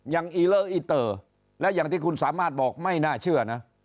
อย่างอีเล่าอีเต๋อและอย่างที่คุณสามารถบอกไม่น่าเชื่อนะ